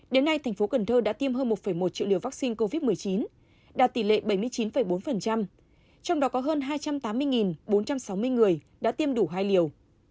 đến nay thành phố cần thơ đã tiêm hơn một một triệu liều vaccine covid một mươi chín đạt tỷ lệ bảy mươi chín bốn trong đó có hơn hai trăm tám mươi bốn trăm sáu mươi người đã tiêm đủ hai liều